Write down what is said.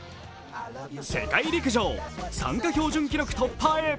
世界陸上、参加標準記録突破へ。